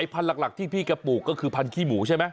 พันธุ์หลักที่พี่แกปลูกก็คือพันธี้หมูใช่ไหม